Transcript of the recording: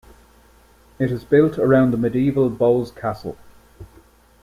It is built around the medieval Bowes Castle.